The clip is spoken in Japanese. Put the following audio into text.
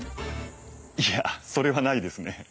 いやそれはないですね。